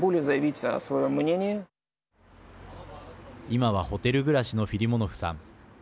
今は、ホテル暮らしのフィリモノフさん。